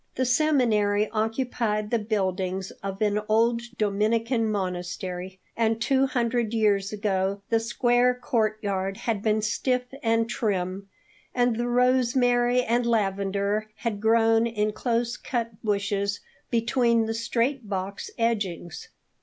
The seminary occupied the buildings of an old Dominican monastery, and two hundred years ago the square courtyard had been stiff and trim, and the rosemary and lavender had grown in close cut bushes between the straight box edgings.